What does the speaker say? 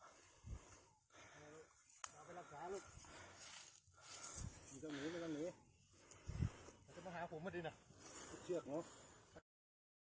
เอาไปรับขาลูกมีต้องหนีมีต้องหนีมันจะมาหาผมมาดีน่ะไม่เชื่อของ